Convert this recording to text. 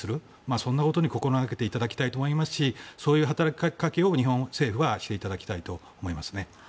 そんなことを心掛けていただきたいと思いますしそういう働きかけを日本政府はしていただきたいと思います。